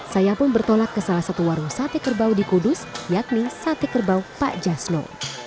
saya pun bertolak ke salah satu warung sate kerbau di kudus yakni sate kerbau pak jasno